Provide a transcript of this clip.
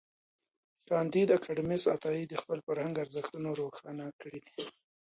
کانديد اکاډميسن عطايي د خپل فرهنګ ارزښتونه روښانه کړي دي.